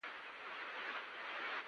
کاکړ د خپلې خاورې، خلکو او عزت محافظین دي.